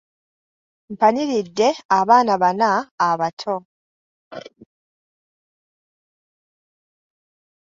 Mpaniridde abaana bana abato.